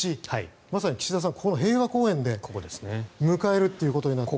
まさに岸田さん、平和公園で迎えるということになって。